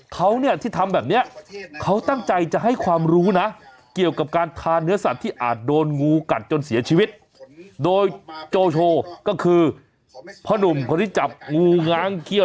การที่จับหัวอืมมากดลงมาอย่างนี้